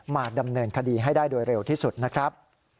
มาดำเนินคดีให้ได้โดยเร็วที่สุดนะครับ